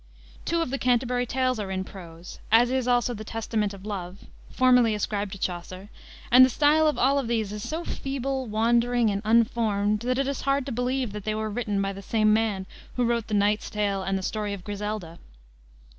Two of the Canterbury Tales are in prose, as is also the Testament of Love, formerly ascribed to Chaucer, and the style of all these is so feeble, wandering, and unformed that it is hard to believe that they were written by the same man who wrote the Knight's Tale and the story of Griselda.